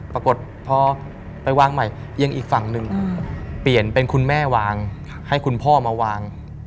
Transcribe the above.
ปรากฏพอไปวางใหม่ยังอีกฝั่งหนึ่งเปลี่ยนเป็นคุณแม่วางให้คุณพ่อมาวาง